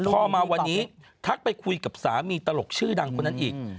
พอมาวันนี้ทักไปคุยกับสามีตลกชื่อดังคนนั้นอีก